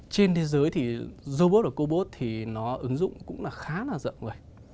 trên thế giới thì robot và cô bốt thì nó ứng dụng cũng khá là rộng